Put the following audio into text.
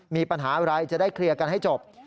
มีปัญหาอะไรจะได้เคลียร์กันให้จบ